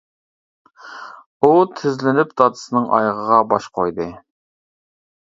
ئۇ تىزلىنىپ دادىسىنىڭ ئايىغىغا باش قويدى.